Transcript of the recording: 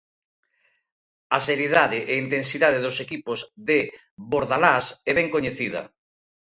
A seriedade e a intensidade dos equipos de Bordalás é ben coñecida.